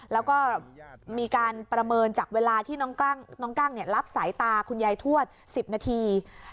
แล้วก็มีการประเมินจากเวลาที่น้องกั้งรับสายตาคุณยายทวด๑๐นาที